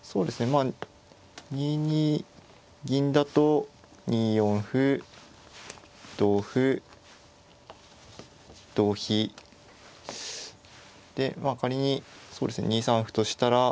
まあ２二銀だと２四歩同歩同飛でまあ仮にそうですね２三歩としたら。